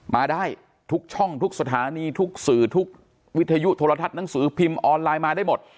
มาได้ทุกช่องทุกสถานีทุกสื่อทุกวิทยุโทรทัศน์หนังสือพิมพ์ออนไลน์มาได้หมด